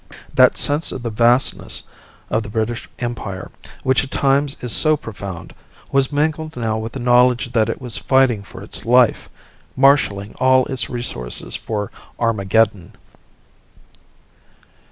That sense of the vastness of the British Empire, which at times is so profound, was mingled now with a knowledge that it was fighting for its life, marshalling all its resources for Armageddon.